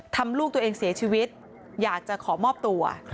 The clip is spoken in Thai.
ลูกตัวเองเสียชีวิตอยากจะขอมอบตัว